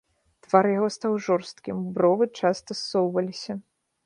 Твар яго стаў жорсткім, бровы часта ссоўваліся.